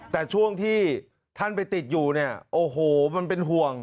แต่ช่วงที่ท่านไปติดอยู่เนี่ยโอ้โหมันเป็นห่วง